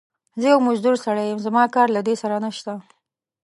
زه يو مزدور سړی يم، زما کار له دې سره نشته.